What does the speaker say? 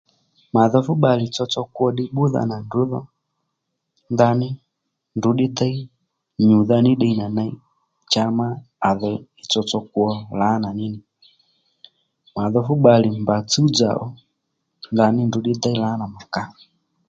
Mà dho fú bbalè tsotso kwo ddiy bbúdha nà ndrǔ dho ndaní ndrǔ ddí déy nyùdha ní ddiy nà ney cha má à dho tsotso lǎnà ní nì mà dho fú bbalè mbà tsúw-dzà ò ndaní ndrǔ ddí déy lǎnà mà kàó